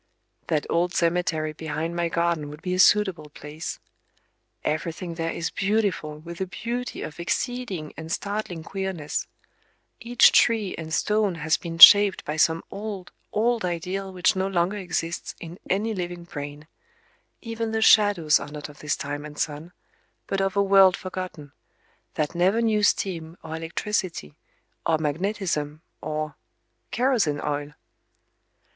That old cemetery behind my garden would be a suitable place. Everything there is beautiful with a beauty of exceeding and startling queerness; each tree and stone has been shaped by some old, old ideal which no longer exists in any living brain; even the shadows are not of this time and sun, but of a world forgotten, that never knew steam or electricity or magnetism or—kerosene oil!